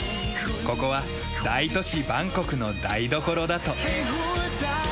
ここは大都市バンコクの台所だと。